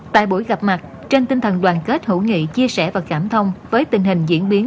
tại buổi gặp mặt trên tinh thần đoàn kết hữu nghị chia sẻ và cảm thông với tình hình diễn biến